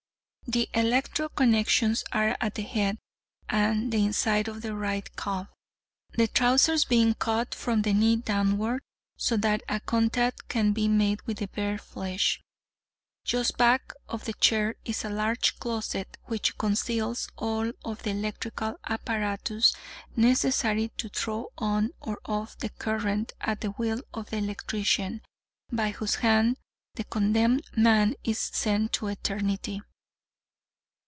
The electro connections are at the head and the inside of the right calf, the trousers being cut from the knee downward, so that a contact can be made with the bare flesh. Just back of the chair is a large closet, which conceals all of the electrical apparatus necessary to throw on or off the current at the will of the Electrician, by whose hand the condemned man is sent to eternity.